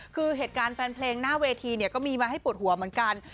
คือเหตุการณ์แฟนเพลงหน้าเวทีเนี่ยก็มีมาให้ปวดหัวเหมือนกัน